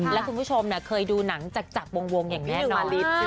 แล้วคุณผู้ชมเคยดูหนังจากวงอย่างแม่นาริส